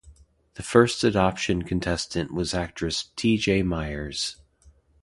The first adoption contestant was actress T. J. Myers.